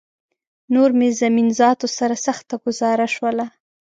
نور مې زمین ذاتو سره سخته ګوزاره شوله